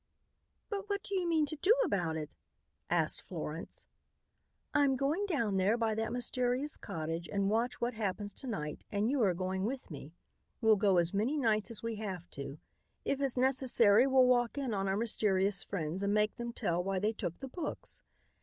"But what do you mean to do about it?" asked Florence. "I'm going down there by that mysterious cottage and watch what happens to night and you are going with me. We'll go as many nights as we have to. If it's necessary we'll walk in upon our mysterious friends and make them tell why they took the books.